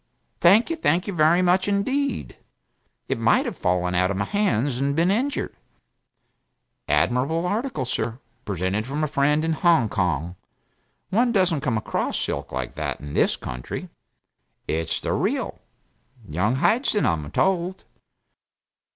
Thank you thank you very much indeed. It might have fallen out of my hands and been injured. Admirable article, sir present from a friend in Hong Kong; one doesn't come across silk like that in this country it's the real Young Hyson, I'm told."